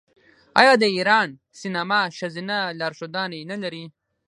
آیا د ایران سینما ښځینه لارښودانې نلري؟